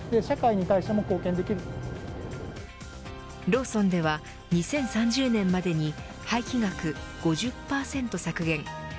ローソンでは２０３０年までに廃棄額５０％削減